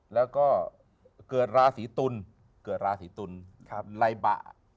แล้วก็เกิดราศรีตุลรายบะ